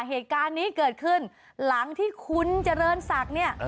เหตุการณ์นี้เกิดขึ้นหลังที่คุณเจริญศักดิ์เนี่ย